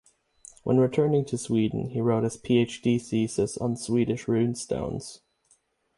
When returning to Sweden he wrote his PhD thesis on Swedish runestones.